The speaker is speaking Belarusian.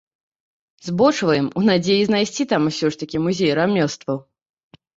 Збочваем у надзеі знайсці там усё ж такі музей рамёстваў.